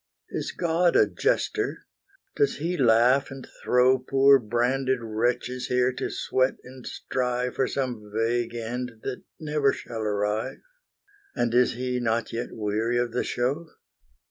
Is God a jester? Does he laugh and throw Poor branded wretches here to sweat and strive For some vague end that never shall arrive? And is He not yet weary of the show?